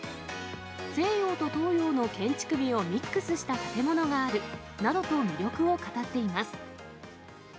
西洋と東洋の建築美をミックスした建物があるなどと魅力を語っています。